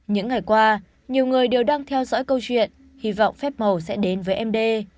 những ngày qua nhiều người đều đang theo dõi câu chuyện hy vọng phép mầu sẽ đến với em d